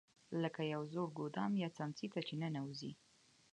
لکه یو زوړ ګودام یا څمڅې ته چې ننوځې.